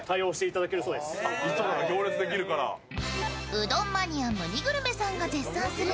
うどんマニア・むにぐるめさんが絶賛する